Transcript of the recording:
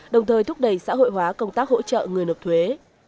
đồng thời thúc đẩy xã hội hóa công tác hỗ trợ người nộp thuế